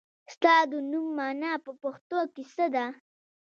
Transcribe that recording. ستا د نوم مانا په پښتو کې څه ده ؟